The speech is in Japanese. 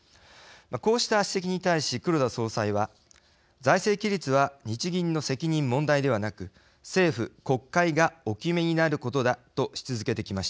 こうした指摘に対し黒田総裁は財政規律は日銀の責任問題ではなく政府・国会がお決めになることだとし続けてきました。